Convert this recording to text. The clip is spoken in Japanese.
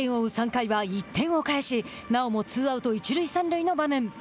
３回は１点を返しなおもツーアウト一塁三塁の場面。